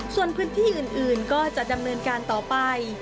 ส่วนพื้นที่อื่นก็จะดำเนินการต่อไป